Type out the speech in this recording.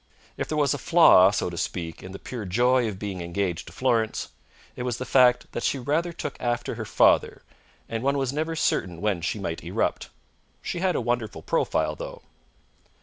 If there was a flaw, so to speak, in the pure joy of being engaged to Florence, it was the fact that she rather took after her father, and one was never certain when she might erupt. She had a wonderful profile, though.